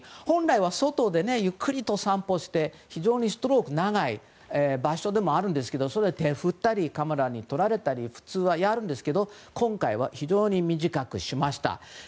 本来は外でゆっくりと散歩して非常にストロークが長い場所でもあるんですけど手を振ったりカメラに撮られたり普通はやるんですけど今回は非常に短くしました。